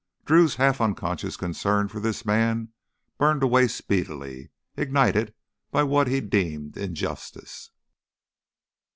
Drew's half unconscious concern for this man burned away speedily, ignited by what he deemed injustice.